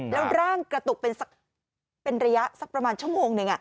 แล้วร่างกระตุกเป็นระยะสักประมาณชั่วโมงหนึ่ง